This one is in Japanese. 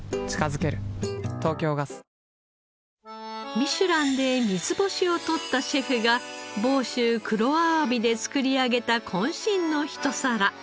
ミシュランで三つ星を獲ったシェフが房州黒あわびで作り上げた渾身のひと皿。